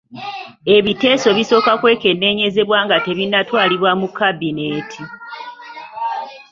Ebiteeso bisooka kwekenneenyezebwa nga tebinnatwalibwa mu kabineeti.